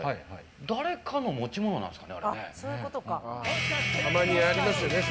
誰かの持ち物なんですかね。